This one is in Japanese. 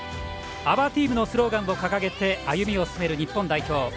ＯｕｒＴｅａｍのスローガンを掲げて歩みを進める日本代表。